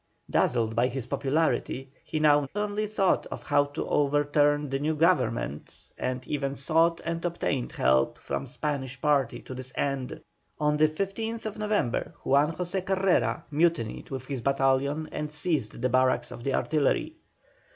Dazzled by his popularity, he now only thought of how to overturn the new Government, and even sought and obtained help from the Spanish party to this end. On the 15th November Juan José Carrera mutinied with his battalion and seized the barracks of the artillery.